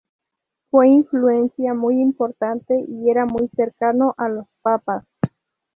Su influencia fue importante y era muy cercano a los papas.